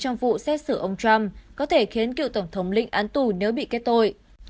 trong vụ xét xử ông trump có thể khiến cựu tổng thống lệnh án tù nếu bị kết tội